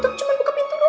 aku mau tanya